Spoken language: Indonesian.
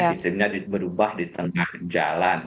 sistemnya berubah di tengah jalan